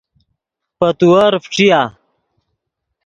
پے تیور فݯیا